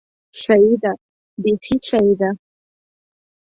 سيي ده، بېخي سيي ده!